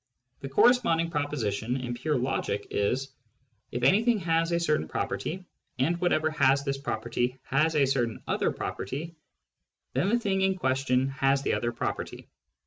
The corresponding proposition in pure logic is :" If anything has a certain property, and whatever has this property has a certain other property, then the thing in question has the other property."